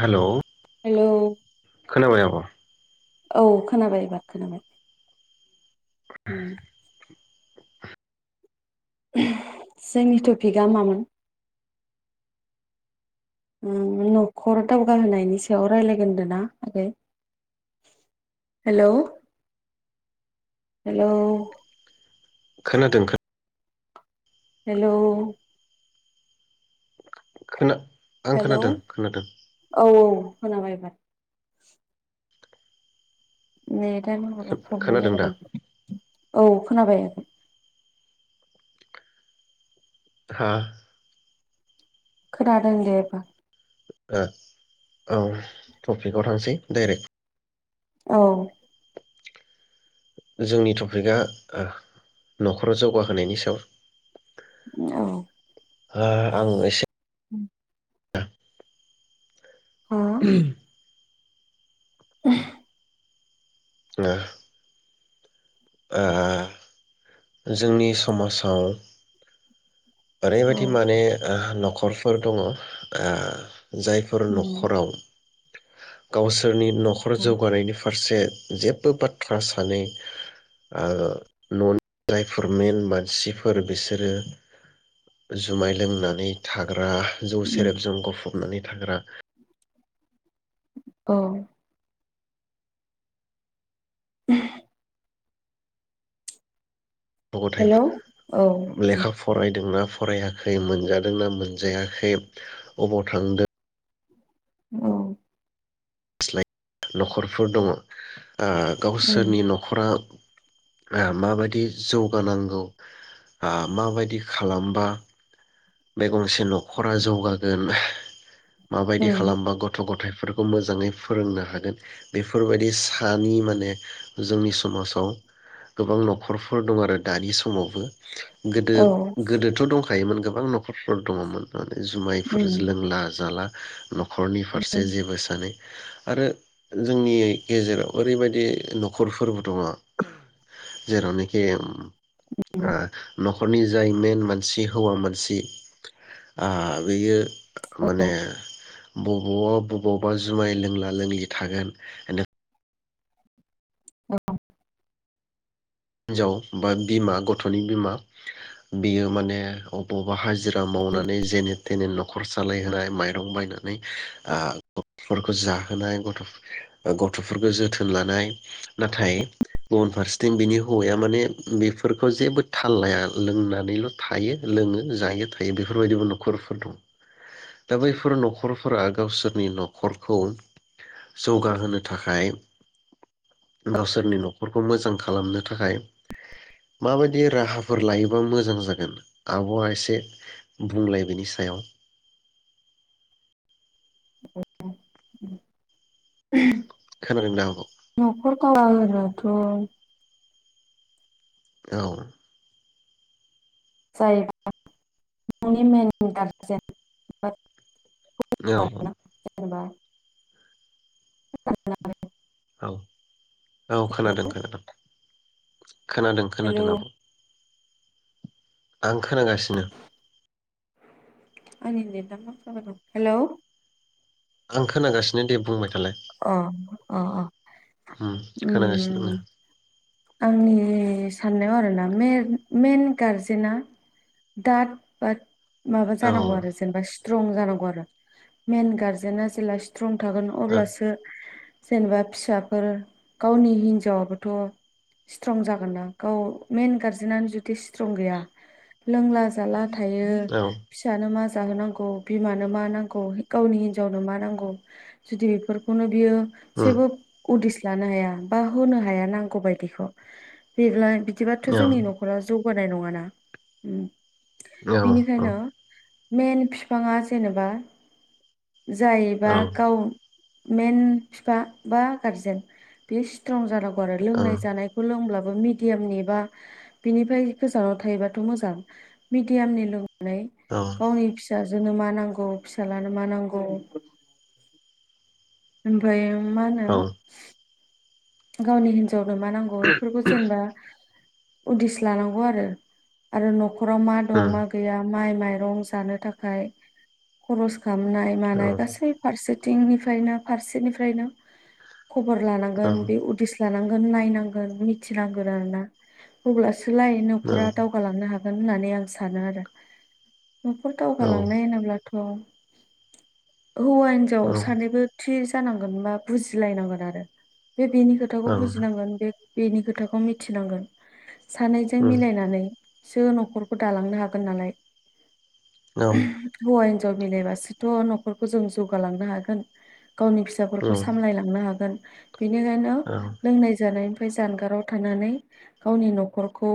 Hello hello खोनाबाय आब'? औ खोनाबाय एबार खोनाबाय। ओम जोंनि टपिकआ मामोन? ओ न'खर दावगाहोनायनि सायाव रायलायगोन होनदोंना आगै हेलौ हेलौ। खोनादों। हेलौ खोना आं हेलौ खोनादों खोनादों औ औ। खोनाबायबाय एबार। ने दानो प्रब्लेम खोनादों दा जाबाय दं औ। खोनाबाय ओ। हा? खोनादों दे बा। ओ औ टफिकआव थांसै डाइरेक्ट। औ। जोंनि टपिकआ ओ न'खराव जौगाहोनायनि सायाव। औ ओ आं एसे। [unintelligible] हा [inaudible] [inaudible] [inaudible] ओ जोंनि समाजाव। ओरैबायदि औ माने ओ खरफोर दङ ओ जायफोर न'खराव। गावसोरनि नखर जौगानायनि फारसे जेबो बाथ्रा सानै ओ ननि जायफोर मेन मानसिफोर बिसोरो जुमाय लोंनानै थाग्रा। जौ सेरेबजों गफब हाबनानै थाग्रा। औ। [unintelligible] गथ हेलौ औ गथाय लेखा फरायदोंना फरायाखै मोनजादोंना मोनजायाखै अबाव थांदों औ। स्लाय नखरफोर दङ। ओ उम गावसोरनि नखरा। [unintelligible] माबायदि जौगानांगौ आ माबायदि खालामबा। बे गंसे नखरा जौगागोन। माबायदि उम खालामबा गथ गथाय। फोरखौ मोजाङै फोरोंनो हागोन बेफोरबायदि सानि माने जोंनि समाजाव गोबां नखरफोर दं आरो दानि समावबो। गोदो औ गोदोथ दंखायोमोन गो [unintelligible] फोर दङमोन। जुमायफोर उम लोंला जाला नखरनि फारसे जेबो सानै आरो जोंनि गेजेराव ओरैबायदि नखरफोरबो दङ जेरावनाखि आ नख खरनि जाय मेन मानसि हौवा मानसि। आ बैयो माने बबावबा बबावबा जुमाय लोंला लोंलि थागोन [unintelligible] हिनजाव बा बिमा गथनि बिमा बियो माने अ बा हाजिरा मावनानै जेने थेने नखर सालायहोनाय माइरं बायनानै आ गथ'फोरखौ जाहोनाय [unintelligible] गथफोरखौ जोथोन लानाय नाथाय गुबुन फारसेथिं बिनि हौवाया माने बेफोरखौ जेबो थाल लाया लोंनानैल' थायो लोङो जायो थायो बेफोरबायदिबो न'खरफोर दं। दा बैफोर न'खरफोरा गावसोरनि न'खरखौ जौगाहोनो थाखाय गावसोरनि न'खरखौ मोजां खालामनो थाखाय माबायदि राहाफोर लायोबा मोजां जागोन आब'आ एसे बुंलाय बेनि सायाव। औ उम। खोनादों ना आब'? खोनादों थ' औ। [unintelligible] औ। जेनेबा [unintelligible] औ औ खोनादों खोनादों। [unintelligible] खोनादों हेलौ खोनादों आब'। आं खोनागासिनो। आंनि नेदा मा जाबाय दं हेलौ आं खोनागासिनो दे बुंबाय थालाय अ अ अ उम उम उम। आंनि साननायाव आरोना मेर मेन गारजेना दाद बाद माबा आङो औ ओ जानांगौ आरो जेनेबा स्ट्रं जानांगौ आरो मेन गारजेना जेला स्ट्रं थागोन अब्लासो जेनेबा फिसाफोर गावनि हिनजावाबोथ' स्ट्रं जागोन ना गाव मेन गार्जेनानो जुदि स्ट्रं गैया लोंला जाला थायो औ फिसानो मा जाहोनांगौ बिमानो मा नांगौ गावनि हिनजावनो मा नांगौ जुदि बेफोरखौनो बियो उम जेबो उदिस जानो हाया बा होनो हाया नांगौबाय बेखौ बिलाय बिदिबाथ' औ जोंनि न'खरा जौ होनाय नङा ना उम। औ औ। मेन फिफाङा जेनेबा जाय एबा औ गाव मेन फिफा बा गारजेन बेयो स्ट्रं जानांगौ आरो औ लोंनाय लोंब्लाबो मिदियामनि बा बेनिफ्राय गोजानाव थायोबाथ' मोजां। मिदियामनि लों नानै औ गावनि फिसा जोंनो मा नांगौ फिसाज्लानो मा नांगौ ओमफ्रायो मा होनो औ गावनि बिमा सोरनो मा नांगौ बेफोरखौ जेनेबा उदिस लानांगौ आरो आरो न'खर न'खराव मा दं उम मा गैया माइ माइरं जानो थाखाय खरस खामनाय औ मानाय औ गासै फारसे थिंनिफ्रायनो फारसेनिफ्रायनो खबर औ औ लानांगोन उदिस लानांगोन नायनांगोन मिथिनांगोन आरो ना अब्ला सो लाय उम औ औ नखरा दावगालांनो हा गोन होननानै आं सानो आरो न'खर दावगालांनाय होनोब्ला थ' हौवा हिनजाव औ सानैबो थि जानांगोन बा बुजिलायनांगोन आरो बे बेनि खोथाखौ बुजिनांगोन बे बेनि खोथाखौ मिथिनांगोन सानैजों औ मिलायनानै सो न'खरखौ दालांनो हागोन नालाय हौवा हिन जाव मिलायबासोथ' न'खरखौ जों जौगालांनो हागोन। गावनि फिसाफोरखौ सामलायलांनो हागोन। बेनिखायनो लोंनाय जानाय [unintelligible] जानगाराव थानानै गावनि न'खरखौ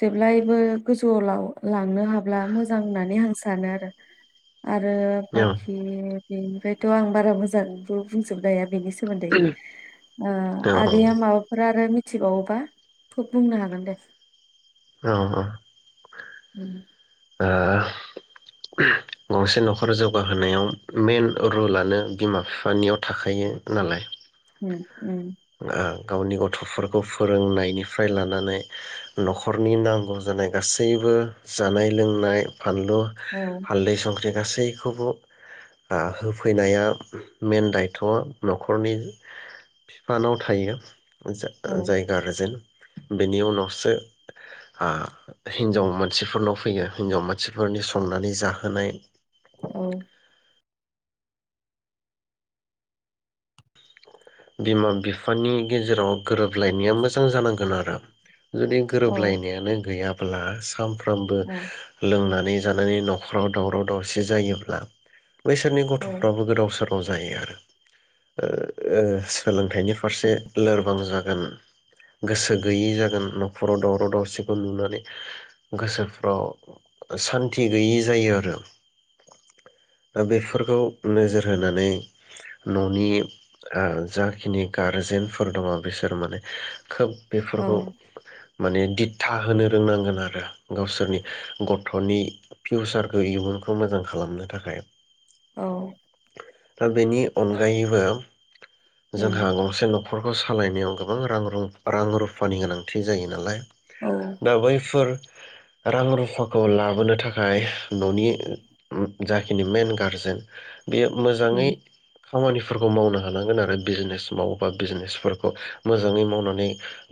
जेब्लायबो गोजौवाव लाव लांनो हाब्ला मोजां होननानै आं सानो आरो आरो बाखि बेनिफ्रायथ' आं बारा मोजांबो बुंजोबनो हाया बेनि सोमोन आगैया माबाफोर आरो मि थिबावोबा फुब बुंनो हागोन दे। अ अ उम आ गंसे न'खर जौगाहोनायाव मेइन रुलानो बिमा फिफानियाव थाखायो नालाय उम उम ओ गावनि गथ'फोरखौ फोरोंनायनिफ्राय लानानै न'खरनि नांगौ जानाय गासैबो जानाय लोंनाय फानलु औ हालदै सं ख्रि गासैखौबो ओ होफैनाया मेइन दायथ'आ न'खरनि फिफानाव थायो। जा- औ जाय गारजेन बेनि उनावसो आ हिनजाव मानसिफोरनाव फैयो हिनजाव मानसिफोरनि संनानै जाहोनाय औ बिमा बिफानि गेजेराव गोरोबलायनाया मोजां जानांगोन आरो जुदि औ गोरोबलायनायानो गैया ब्ला सामफ्रामबो औ लोंना नै जानानै न'खराव दावराव दावसि जायोब्ला बैसोरनि औ गथ'फ्राबो गोदाव सोराव औ जायो आरो ओ सोलों थायनि फारसे लोरबां जा गोन गोसो गोयै जागोन न'खराव दावाव दावसिखौ नुनानै गोसोफ्राव सान्थि गैयै जायो आरो दा बेफोरखौ नोजोर होनानै न'नि आ जाखिनि गारजेनफोर दङ बिसोर माने खोब औ बेफोरखौ माने द्दिथा होनो रोंनांगोन आरो। गावसोरनि ग थ'नि फिउचारखौ इयुनखौ मोजां खालामनो थाखाय। औ दा बेनि अनगायैबो जोंहा उम गंसे न' खरखौ सालायनायाव गोबां रां रां रुफानि गोनांथि जायो नालाय औ दा बैफोर रां रुफाखौ लाबोनो थाखाय न'नि जाखिनि मेन गारजेन बेयो मोजाङै उम खामानिफोरखौ मावनो हालांगोन आरो। बिजनेस मावोबा बिजनेसफोरखौ मोजाङै मावनानै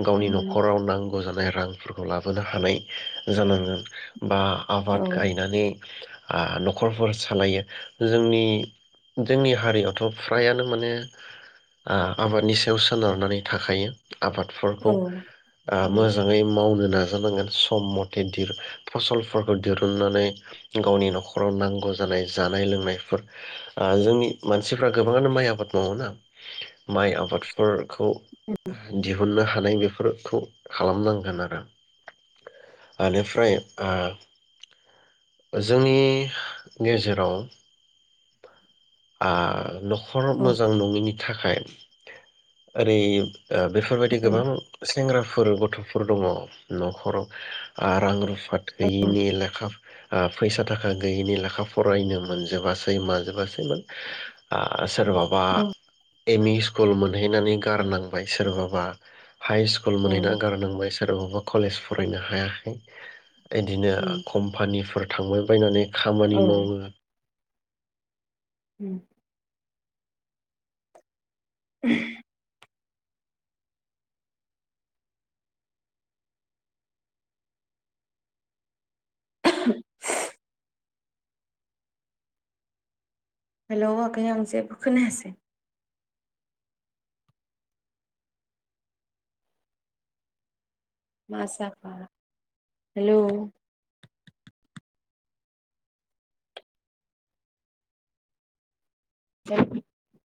गावनि उम न'खराव नां गौ जानाय रांफोरखौ लाबोनो हानाय जानांगोन। बा आबाद औ गायनानै ओ न'खरफोर सालायो जोंनि जोंनि हारियावथ' फ्रायानो माने आं आबादनि सायाव सोनारनानै थाखायो औ आबादफोरखौ ओ उम मोजाङै मावनो नाजानांगोन सम मथे दिरु फसलफोरखौ दिरुननानै गावनि न'खराव नांगौ जानाय, जानाय लोंनायफोर जोंनि मानसिफ्रा गोबाङानो माइ आबाद मावोना माइ आबादफोर खौ दिहुनो हा थानाय बेफोरखौ खालामनांगोन आरो बेनिफ्राय आ जोंनि गेजेराव आ नखर औ मोजां नङैनि थाखाय ओरै बेफोरबायदि उम गोबां सेंग्राफोर गथ' दङ न'खराव आ रां रु फा गैयिनि लेखा ओ फैसा थाखा गैयिनि लेखा फरायनो मोनजोबासै माजोबासै आ सोरबाबा औ एम इ स्कुल मोनहैनानै गारनांबाय सोरबाबा हाइ स्कुल औ मोनहैना गारनांबाय सोरबबा कलेज फरायनो हाया इदिनो उम कम्पानिफोर थांबायबानानै खामानि औ मावो ओम [inaudible] [unintelligible] हेलौ आगै आं जेबो खोनायासै मा जाखो हेलौ [unintelligible]